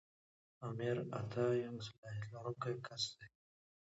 آمر اعطا یو صلاحیت لرونکی کس دی.